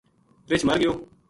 رچھ مر گیو